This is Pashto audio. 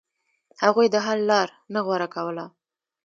هغوی د حل لار نه غوره کوله.